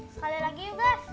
sekali lagi yuk guys